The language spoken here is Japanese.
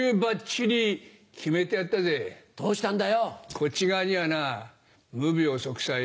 こっち側にはな「無病息災」